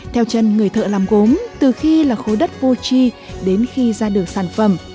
theo chân người thợ làm gốm từ khi là khối đất vô chi đến khi ra được sản phẩm